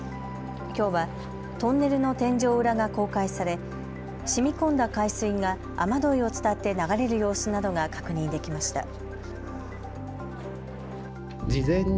きょうはトンネルの天井裏が公開されしみこんだ海水が雨どいを伝って流れる様子などが確認できました。